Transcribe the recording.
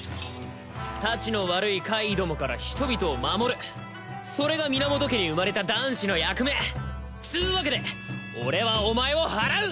タチの悪い怪異どもから人々を守るそれが源家に生まれた男子の役目つうわけで俺はお前を祓う！